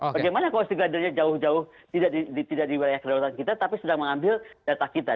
bagaimana kalau sea glider nya jauh jauh tidak di wilayah kedalaman kita tapi sedang mengambil data kita